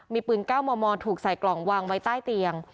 มีปืน๙มมถูกใส่กล่องวางไว้ใต้เตียง